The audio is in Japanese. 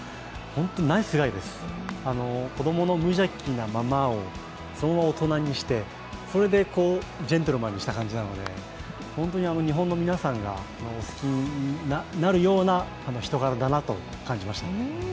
本当にナイスガイです、子供の無邪気なままをそのまま大人にして、それでジェントルマンにした感じなので日本の皆さんが好きになるような人柄だと感じました。